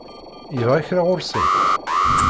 Yebɣa kra sɣur-sen?